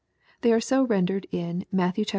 They are so rendered in Matt xiii.